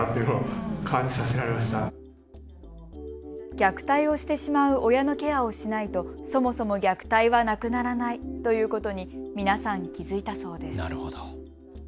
虐待をしてしまう親のケアをしないと、そもそも虐待はなくならないということに皆さん、気付いたそうです。